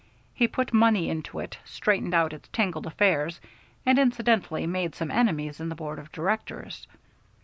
He put money into it, straightened out its tangled affairs, and incidentally made some enemies in the board of directors.